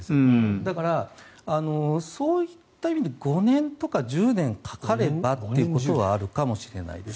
だから、そういった意味で５年とか１０年かかればってことはあるかもしれないです。